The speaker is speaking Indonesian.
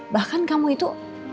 bahkan kamu itu